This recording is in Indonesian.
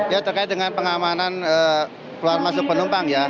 ya terkait dengan pengamanan keluar masuk penumpang ya